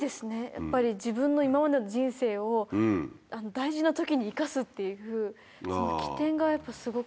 やっぱり自分の今までの人生を大事な時に生かすっていうその機転がやっぱすごくて。